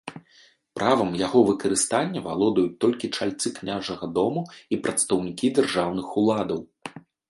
Правам яго выкарыстання валодаюць толькі чальцы княжага дому і прадстаўнікі дзяржаўных уладаў.